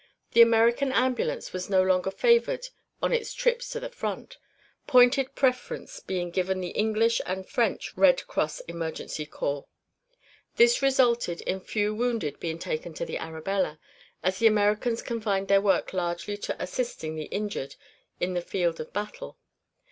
The American ambulance was no longer favored on its trips to the front, pointed preference being given the English and French Red Cross Emergency Corps. This resulted in few wounded being taken to the Arabella, as the Americans confined their work largely to assisting the injured on the field of battle.